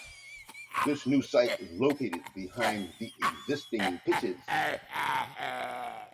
This new site is located behind the existing pitches.